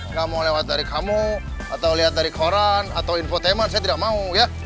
nggak mau lewat dari kamu atau lihat dari koran atau infotainment saya tidak mau ya